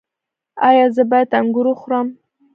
ایا زه باید انګور وخورم؟